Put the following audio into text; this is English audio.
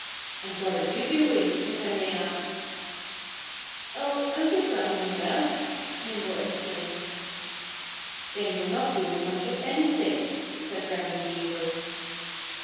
"And what are you doing if I may ask?" "Oh! I'm just rambling about," Nimble explained. "Then you're not doing much of anything," said Brownie Beaver.